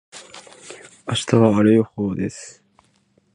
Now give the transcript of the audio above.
明日は晴れ予報です。